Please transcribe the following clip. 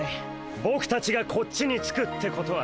ボクたちがこっちにつくってことは。